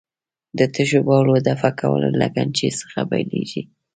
د تشو بولو دفع کول له لګنچې څخه پیلېږي.